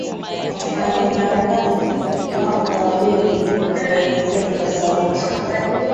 wafanyakazi wako wawili ni waigizaji wa sauti